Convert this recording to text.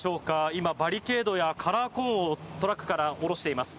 今、バリケードやカラーコーンをトラックから下ろしています。